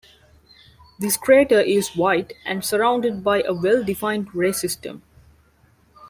This crater is white and surrounded by a well-defined ray system.